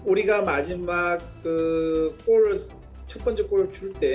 tapi saya ingin berbicara tentang hal yang tidak terjadi